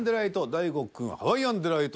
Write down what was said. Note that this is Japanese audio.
大悟くん「ハワイアンデライト」。